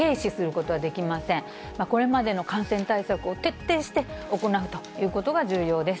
これまでの感染対策を徹底して行うということが重要です。